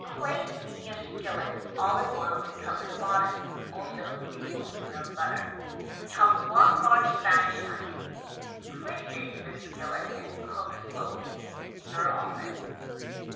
Place in your skillet olive oil to cover the bottom; also tablespoon of butter. Chop one large Spanish onion. Place it in the skillet and cook slowly. Stir often.